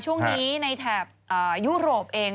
ช่วงนี้ในแถบยุโรปเอง